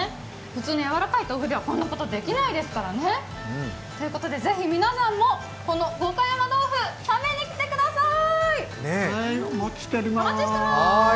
普通のやわらかい豆腐ではこんなことできないですからね。ということで是非皆さんも五箇山とうふ、食べに来てください！